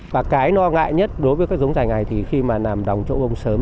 và cái no ngại nhất đối với giống dài ngày thì khi mà nằm đồng chỗ uống sớm